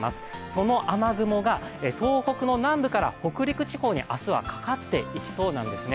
その雨雲が東北の南部から北陸地方に明日はかかっていきそうなんですね。